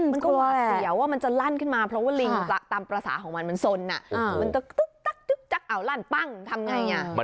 มันก็วาบเสี่ยวว่ามันจะลั่นขึ้นมาเพราะว่าลิงตามประสาของมันมันทรนน่ะ